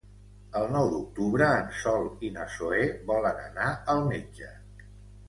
El nou d'octubre en Sol i na Zoè volen anar al metge.